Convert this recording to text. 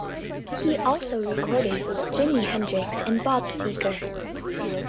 He also recorded with Jimi Hendrix and Bob Seger.